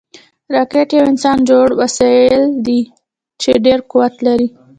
راکټ یو انسانجوړ وسایل دي چې ډېر قوت لري